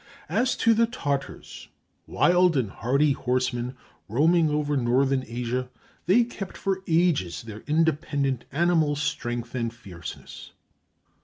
As to the Tartars, wild and hardy horsemen roaming over Northern Asia, they kept for ages their independent animal strength and fierceness.